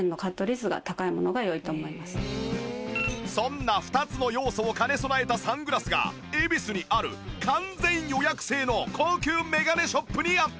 そんな２つの要素を兼ね備えたサングラスが恵比寿にある完全予約制の高級メガネショップにあった